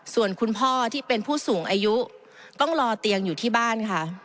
ส่วนคุณพ่อที่เป็นผู้สูงอายุต้องรอเตียงอยู่ที่บ้านค่ะ